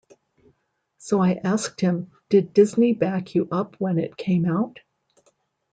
So I asked him Did Disney back you up when it came out?